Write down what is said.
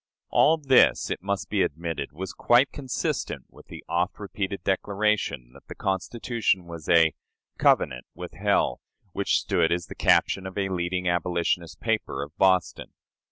All this, it must be admitted, was quite consistent with the oft repeated declaration that the Constitution was a "covenant with hell," which stood as the caption of a leading abolitionist paper of Boston.